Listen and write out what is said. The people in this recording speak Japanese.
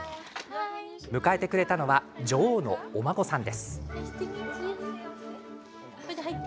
迎えてくれたのは女王のお孫さん。